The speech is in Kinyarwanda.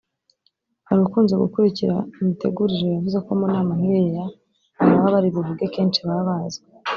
Hari ukunze gukurikira imitegurire wavuze ko mu nama nk’iriya ababa bari buvuge kenshi baba bazwi